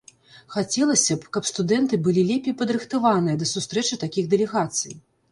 Хацелася б, каб студэнты былі лепей падрыхтаваныя да сустрэчы такіх дэлегацый.